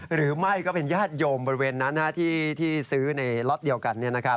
หรือไม่ก็เป็นญาติโยมบริเวณนั้นที่ซื้อในล็อตเดียวกัน